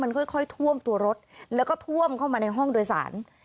ค่อยท่วมตัวรถแล้วก็ท่วมเข้ามาในห้องโดยสาร